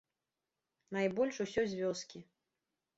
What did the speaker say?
Найбольш усё з вёскі.